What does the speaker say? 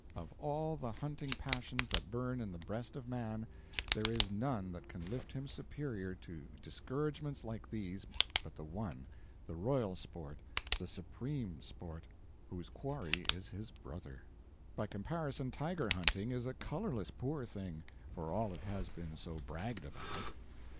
Of all the hunting passions that burn in the breast of man, there is none that can lift him superior to discouragements like these but the one the royal sport, the supreme sport, whose quarry is his brother. By comparison, tiger hunting is a colorless poor thing, for all it has been so bragged about.